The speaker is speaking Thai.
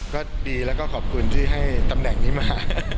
ก็ดีแล้วก็ขอบคุณที่ให้ตำแหน่งนี้มา